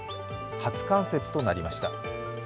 初冠雪となりました。